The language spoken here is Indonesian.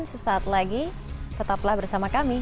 sesaat lagi tetaplah bersama kami